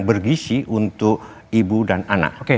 bergisi untuk ibu dan anak